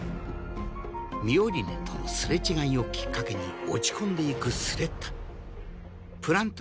ミオリネとのすれ違いをきっかけに落ち込んでゆくスレッタプラント